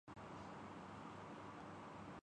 عدلیہ، ریاست اور حکومت بھی معرض امتحان میں ہیں۔